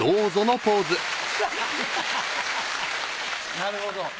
なるほど。